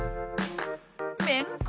めんこ。